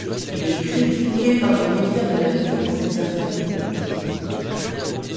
Il est critiqué par les médias de la ville pour des affaires houleuses.